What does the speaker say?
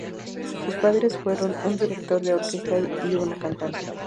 Sus padres fueron un director de orquesta y una cantante.